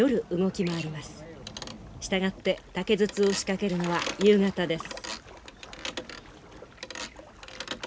従って竹筒を仕掛けるのは夕方です。